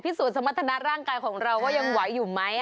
สูจนสมรรถนาร่างกายของเราว่ายังไหวอยู่ไหม